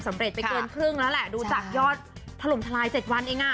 เร็จไปเกินครึ่งแล้วแหละดูจากยอดถล่มทลาย๗วันเองอ่ะ